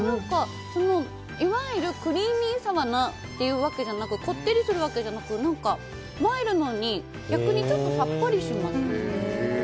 いわゆるクリーミーさっていうわけじゃなくこってりするわけじゃなくマイルドに逆にさっぱりします。